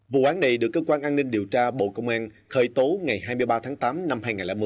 vụ án này được cơ quan an ninh điều tra bộ công an khởi tố ngày hai mươi ba tháng tám năm hai nghìn một mươi